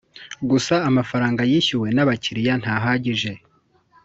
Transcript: gusa amafaranga yishyuwe n abakiriya ntahagije